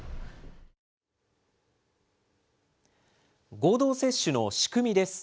合同接種の仕組みです。